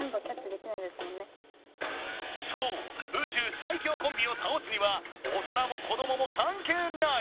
そう宇宙最強コンビをたおすには大人も子どもも関係ない。